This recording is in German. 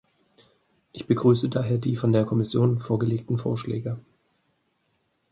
Ich begrüße daher die von der Kommission vorgelegten Vorschläge.